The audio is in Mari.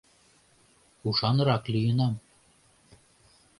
Ушанрак лийынам.